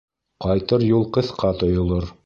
Ҡайтыр юл ҡыҫҡа тойолор.